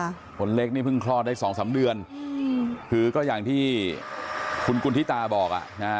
ลูกเล็กนี่พึ่งคลอดได้๒๓เดือนคือก็อย่างที่คุณกุณฑิตาบอก